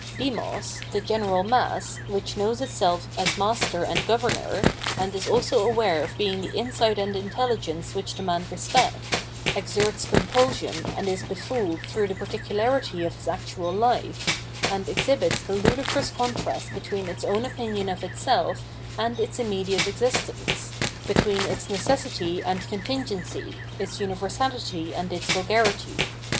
Demos, the general mass, which knows itself as master and governor, and is also aware of being the insight and intelligence which demand respect, exerts com pulsion and is befooled through the particularity of its actual hfe, and exhibits the ludicrous contrast between its own opinion of itself and its immediate existence, between its necessity and contingency, its universahty and its vulgarity.